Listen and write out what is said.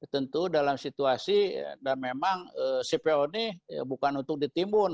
tentu dalam situasi dan memang cpo ini bukan untuk ditimbun